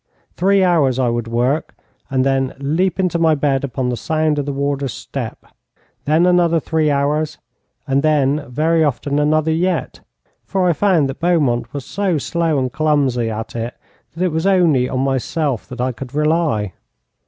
Three hours I would work, and then leap into my bed upon the sound of the warder's step. Then another three hours, and then very often another yet, for I found that Beaumont was so slow and clumsy at it that it was on myself only that I could rely.